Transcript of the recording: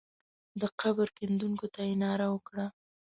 د قبر کیندونکو ته یې ناره وکړه.